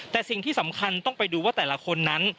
แต่สิ่งที่สำคัญต้องไปดูว่าแต่ละคนนั้น